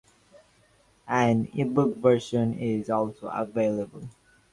An ebook version is also available.